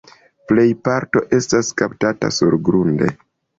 Plej parto estas kaptata surgrunde.